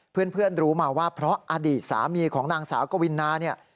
เพื่อนรู้มาว่าเพราะอดีตสามีของนางสาวกวินาเนี่ย